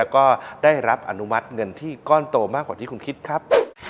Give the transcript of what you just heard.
ก็ได้รับอนุมัติเงินที่ก้อนโตมากกว่าที่คุณคิดครับ